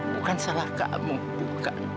bukan salah kamu bukan